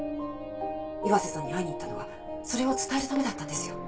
「岩瀬さんに会いに行ったのはそれを伝えるためだったんですよ」